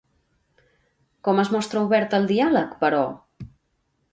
Com es mostra obert al diàleg, però?